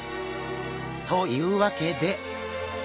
というわけで。